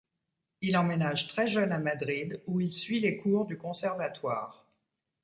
Il emménage très jeune à Madrid, où il suit les cours du Conservatoire.